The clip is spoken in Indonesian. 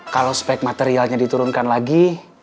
kalau spek materialnya diturunkan lagi